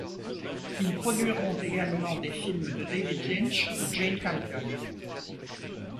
Ils produiront également des films de David Lynch ou Jane Campion.